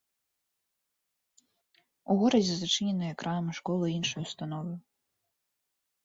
У горадзе зачыненыя крамы, школы і іншыя ўстановы.